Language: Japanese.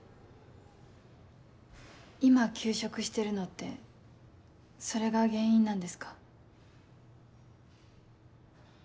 今休職してるのってそれが原因なんですか？